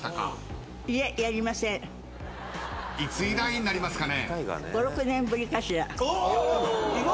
いつ以来になりますかね？